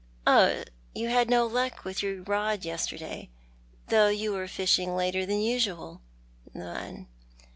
" Oh, you had no luck with your rod yesterday, though yoa were fishing later than usual ?" "None."